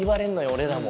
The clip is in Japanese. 俺らも。